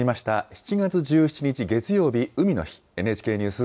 ７月１７日月曜日、海の日、ＮＨＫニュース